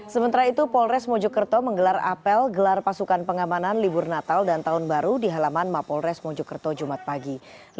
sementara itu polres mojokerto menggelar apel gelar pasukan pengamanan libur natal dan tahun baru di halaman mapolres mojokerto jumat pagi